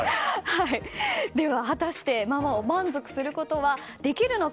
では果たして、ママを満足させることはできるのか。